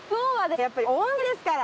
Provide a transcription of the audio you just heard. やっぱり温泉ですから。